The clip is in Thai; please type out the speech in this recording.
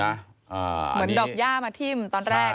เหมือนดอกย่ามาทิ้มตอนแรก